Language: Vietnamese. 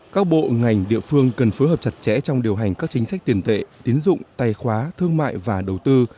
các bộ ngành địa phương cần phối hợp chặt chẽ trong điều hành các chính sách tiền tệ tiến dụng tay khóa thương mại và đầu tư